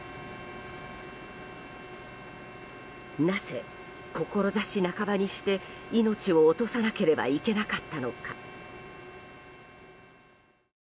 なぜ、志半ばにして命を落とさなければいけなかったのか。